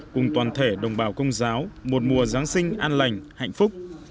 cùng toàn thể đồng bào công giáo một mùa giáng sinh an lành hạnh phúc